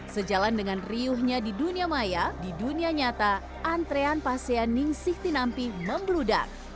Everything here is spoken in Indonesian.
sejalan dengan riuhnya di dunia maya di dunia nyata antrean pasien ning siktinampi membeludak